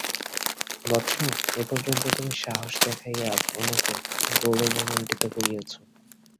বৎস, এ পর্যন্ত তুমি সাহস দেখাইয়া আপনাকে গৌরবমণ্ডিত করিয়াছ।